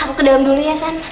aku ke dalam dulu ya sah